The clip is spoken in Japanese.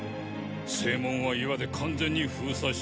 正門は岩で完全に封鎖している。